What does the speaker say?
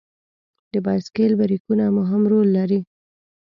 د بایسکل بریکونه مهم رول لري.